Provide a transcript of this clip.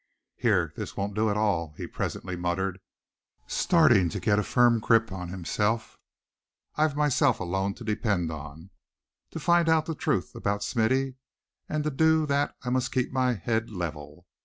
"Here, this won't do at all," he presently muttered, starting to get a firm grip on himself; "I've myself alone to depend on, to find out the truth about Smithy, and to do that I must keep my head level.